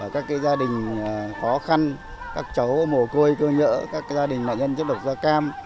các gia đình khó khăn các cháu mồ côi cơ nhỡ các gia đình nạn nhân chất độc da cam